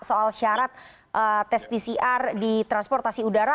soal syarat tes pcr di transportasi udara